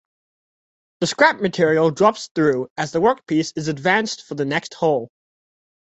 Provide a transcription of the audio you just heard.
The scrap material drops through as the workpiece is advanced for the next hole.